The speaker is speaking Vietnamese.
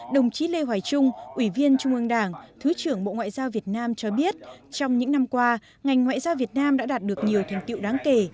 đồng chí lê hoài trung ủy viên trung ương đảng thứ trưởng bộ ngoại giao việt nam cho biết trong những năm qua ngành ngoại giao việt nam đã đạt được nhiều thành tiệu đáng kể